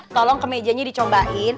tolong ke mejanya dicobain